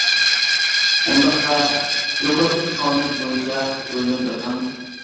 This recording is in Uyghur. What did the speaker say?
ئۇنداقتا يۇقىرىقى قانۇنىيەت بويىچە ئويلىنىپ بېقىڭ.